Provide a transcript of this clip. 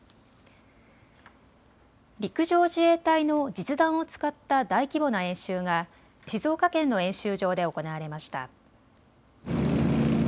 陸上自衛隊の実弾を使った大規模な演習が静岡県の演習場で行われました。